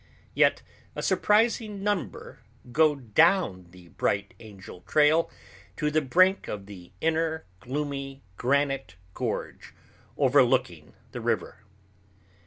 Yet a surprising number go down the Bright Angel Trail to the brink of the inner gloomy granite gorge overlooking the river.